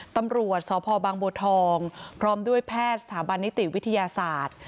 ตำรวจสพบางบัวทองพร้อมด้วยแพทย์สถาบันนิติวิทยาศาสตร์